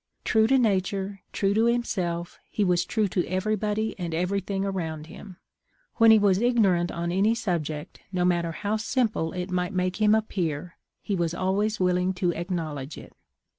True to nature, true to himself^ he was true to everybody and everything around him. When he was igno rant on any subject, no matter how simple it might make him appear^ he was always willing to acknowl edge it.